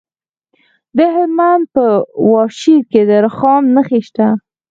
د هلمند په واشیر کې د رخام نښې شته.